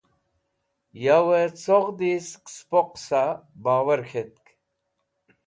Yawẽ coghdi sẽk spo qẽsa bowor khẽtk.